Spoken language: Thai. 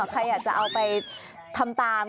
ใครอยากจะเอาไปทำตาม